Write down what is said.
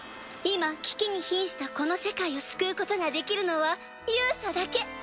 今危機に瀕したこの世界を救うことができるのは勇者だけ。